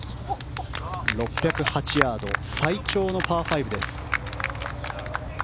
６０８ヤード最長のパー５です。